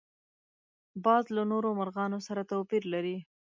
باز له نورو مرغانو سره توپیر لري